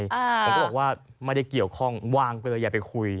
ผมก็บอกว่าไม่ได้เกี่ยวข้องวางไปเลยอย่าไปคุย